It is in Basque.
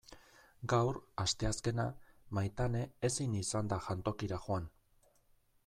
Gaur, asteazkena, Maitane ezin izan da jantokira joan.